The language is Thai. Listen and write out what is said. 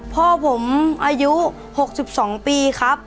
พ่อผมอายุ๖๒ปีครับ